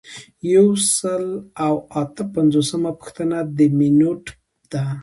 یو سل او اته پنځوسمه پوښتنه د مینوټ ده.